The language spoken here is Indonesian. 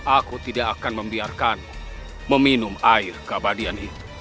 aku tidak akan membiarkanmu meminum air kabadian itu